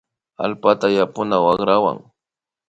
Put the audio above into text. Allpata yapuna wakrakunawan